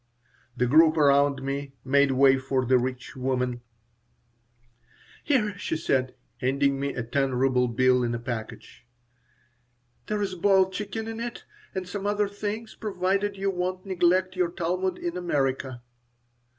The group around me made way for the rich woman "Here," she said, handing me a ten ruble bill and a package. "There is a boiled chicken in it, and some other things, provided you won't neglect your Talmud in America."